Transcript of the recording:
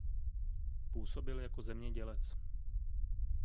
Působil jako zemědělec.